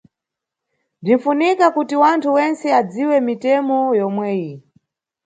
Bzinʼfunika kuti wanthu wentse adziwe mitemo yomweyi.